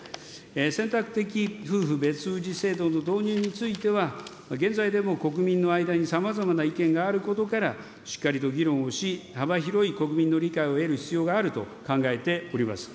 選択的夫婦別氏制度の導入については、現在でも国民の間にさまざまな意見があることから、しっかりと議論をし、幅広い国民の理解を得る必要があると考えております。